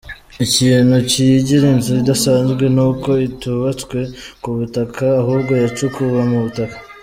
Ikintu kiyigira inzu idasanzwe ni uko itubatswe ku butaka ahubwo yacukuwe mu butaka.